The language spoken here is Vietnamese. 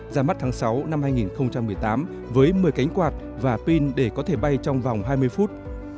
ra mắt tháng sáu năm hai nghìn một mươi tám với một mươi cánh quạt và pin để có thể bay trong vòng hai mươi phút